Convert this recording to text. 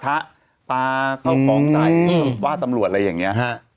ตาเข้าคลองใสวาดตำรวจอะไรอย่างนี้